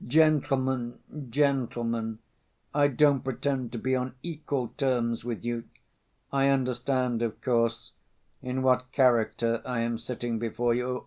Gentlemen, gentlemen, I don't pretend to be on equal terms with you. I understand, of course, in what character I am sitting before you.